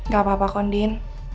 gak apa apa kondin